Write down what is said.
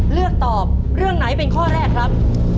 เลือกตอบเรื่องไหนเป็นข้อแรกครับ